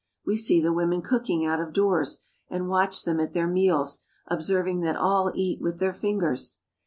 We see the women cooking out of doors and watch them at their meals, observing that all eat with their fingers.